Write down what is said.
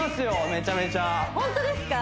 めちゃめちゃホントですか？